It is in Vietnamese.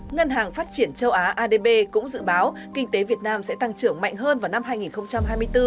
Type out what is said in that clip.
ngân hàng phát triển châu á adb cũng dự báo kinh tế việt nam sẽ tăng trưởng mạnh hơn vào năm hai nghìn hai mươi bốn